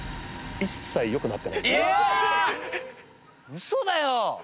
ウソだよ！